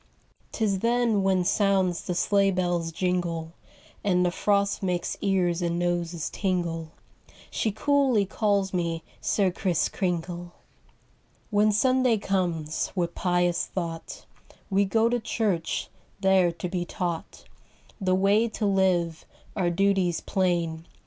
'Tis then when sounds the sleigh bell's jingle And the frost makes ears and noses tingle, She coolly calls me 'Sir Kriss Kringle.'" Copyrighted, 18U7 c^^aHEN Sunday comes, with pious thought We go to church, there to be taught The way to live, our duties plain.